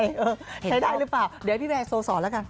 ใช้ได้หรือเปล่าเดี๋ยวพี่แวร์โซสอนแล้วกัน